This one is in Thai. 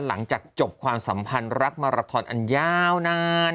หลังจากจบความสัมพันธ์รักมาราทอนอันยาวนาน